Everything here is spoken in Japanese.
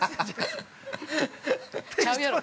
ちゃうやろ！